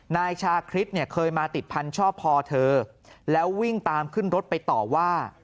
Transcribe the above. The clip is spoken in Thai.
นายชาคริสเนี่ยเคยมาติดพันธุ์ชอบพอเธอแล้ววิ่งตามขึ้นรถไปต่อว่า